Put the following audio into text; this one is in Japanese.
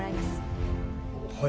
はい。